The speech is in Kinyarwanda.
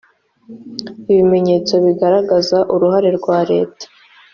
ibimenyetso bigaragaza uruhare rwa leta